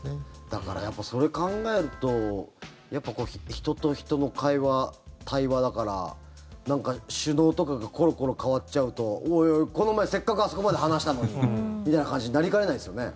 だからやっぱそれを考えると人と人の会話、対話だから首脳とかがコロコロ代わっちゃうとおいおいこの前せっかくあそこまで話したのにみたいな感じになりかねないですよね。